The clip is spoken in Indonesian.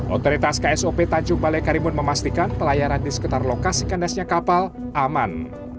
otoritas ksop tanjung balai karimun memastikan pelayaran di sekitar lokasi kandasnya kapal aman